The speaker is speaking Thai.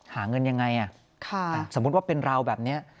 หาเงินยังไงสมมุติว่าเป็นเราแบบนี้